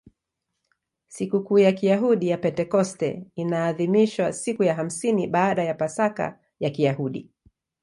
Sikukuu ya Kiyahudi ya Pentekoste inaadhimishwa siku ya hamsini baada ya Pasaka ya Kiyahudi.